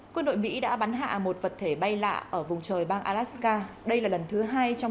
quân đội mỹ đã bắn hạ một vật thể bay lạ ở vùng trời bang alaska đây là lần thứ hai trong